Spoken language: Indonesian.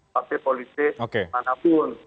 partai politik manapun